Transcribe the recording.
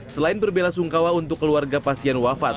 selain berbela sungkawa untuk keluarga pasien wafat